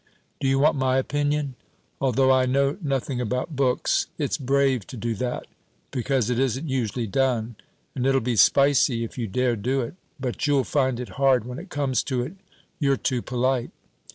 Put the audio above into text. "Do you want my opinion? Although I know nothing about books, it's brave to do that, because it isn't usually done, and it'll be spicy if you dare do it but you'll find it hard when it comes to it, you're too polite.